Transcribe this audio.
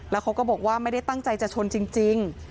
แล้วเขาก็บอกว่าไม่ได้ตั้งใจจะชนจริง